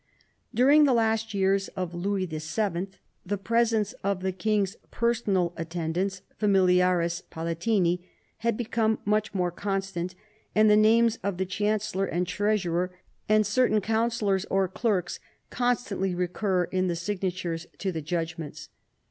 During the last years of Louis VII. the presence of the king's personal attendants, familiares, palatini, had become much more constant; and the names of the chancellor and treasurer, and certain v THE ADVANCE OF THE MONARCHY 135 counsellors or clerks, constantly recur in the signatures to the judgments.